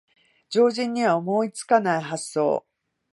常人には思いつかない発想